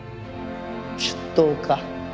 出頭か。